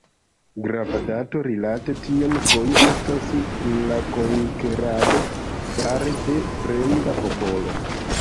Grava dato rilate tion foje estas la konkerado fare de fremda popolo.